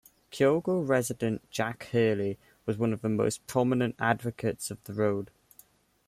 Kyogle resident Jack Hurley was one of the most prominent advocates of the road.